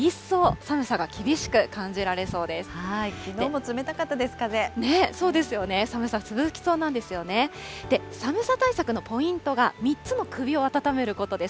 寒さ対策のポイントが３つの首をあたためることです。